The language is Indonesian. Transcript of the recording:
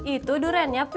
ini berapa banyak pak